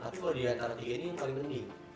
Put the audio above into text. tapi kalau diantara tiga ini yang paling mending